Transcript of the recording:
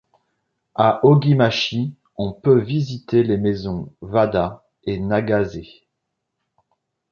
À Ogimachi on peut visiter les maisons 'Wada' et 'Nagase'.